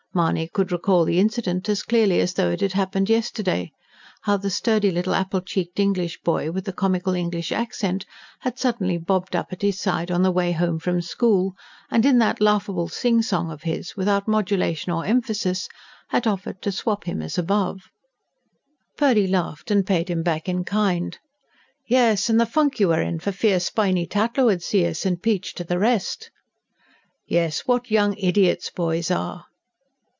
Mahony could recall the incident as clearly as though it had happened yesterday: how the sturdy little apple cheeked English boy, with the comical English accent, had suddenly bobbed up at his side on the way home from school, and in that laughable sing song of his, without modulation or emphasis, had offered to "swop" him, as above. Purdy laughed and paid him back in kind. "Yes, and the funk you were in for fear Spiny Tatlow 'ud see us, and peach to the rest!" "Yes. What young idiots boys are!"